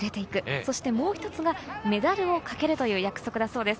そしてもう一つがメダルをかけるという約束だそうです。